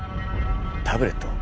タブレット？